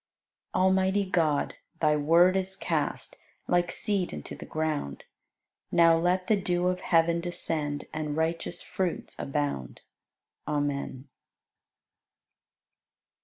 89. Almighty God, Thy Word is cast Like seed into the ground; Now let the dew of heaven descend And righteous fruits abound. Amen.